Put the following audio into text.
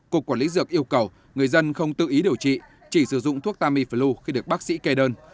cục quản lý dược yêu cầu người dân không tự ý điều trị chỉ sử dụng thuốc tamiflu khi được bác sĩ kê đơn